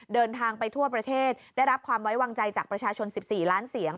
เดินทางไปทั่วประเทศได้รับความไว้วางใจจากประชาชน๑๔ล้านเสียง